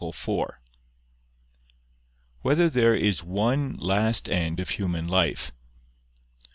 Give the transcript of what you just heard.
4] Whether There Is One Last End of Human Life?